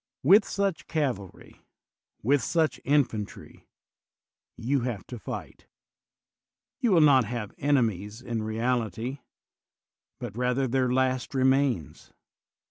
With such cavalry, with such infantry, you have to fight: you will not have enemies in reality, but rather their last remains.